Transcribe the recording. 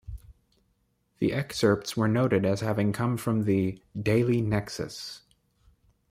The excerpts were noted as having come from the "Daily Nexus".